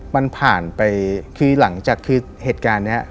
มันผ่านไปคือหลังจากคือเหตุการณ์นี้